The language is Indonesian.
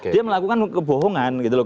dia melakukan kebohongan gitu loh